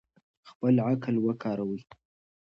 خپل عقل وکاروئ.